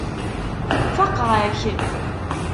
Faqeɣ-ak.